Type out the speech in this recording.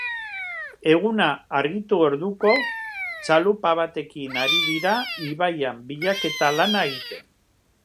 Eguna argitu orduko, txalupa batekin ari dira ibaian bilaketa lana egiten.